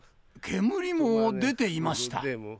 煙も出ていました。